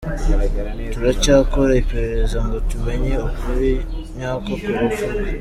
Turacyakora iperereza ngo tumenye ukuri nyako ku rupfu rwe.